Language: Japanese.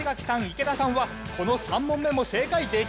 池田さんはこの３問目も正解できるんでしょうか？